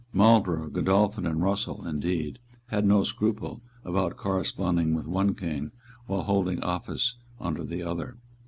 Marlborough, Godolphin and Russell, indeed, had no scruple about corresponding with one King while holding office under the other.